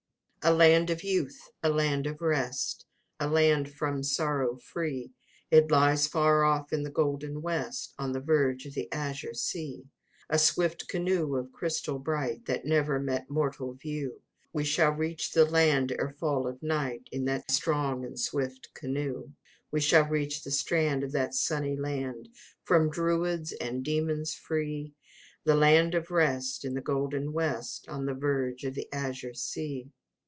I. A land of youth, a land of rest, A land from sorrow free; It lies far off in the golden west, On the verge of the azure sea. A swift canoe of crystal bright, That never met mortal view We shall reach the land ere fall of night, In that strong and swift canoe: We shall reach the strand Of that sunny land, From druids and demons free; The land of rest, In the golden west, On the verge of the azure sea!